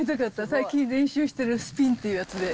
最近練習してるスピンっていうやつで。